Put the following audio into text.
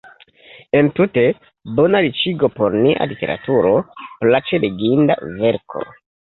Entute: bona riĉigo por nia literaturo, plaĉe leginda verko.